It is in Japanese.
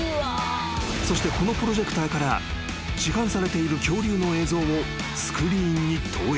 ［そしてこのプロジェクターから市販されている恐竜の映像をスクリーンに投影］